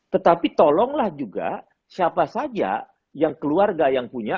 tetapi tolonglah juga siapa saja yang keluarga yang punya